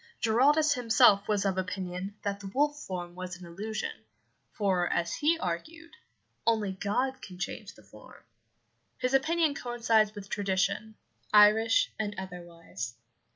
Giraldus himself was of opinion that the wolf form was an illusion, for, as he argued, only God can change the form. His opinion coincides with tradition, Irish and otherwise.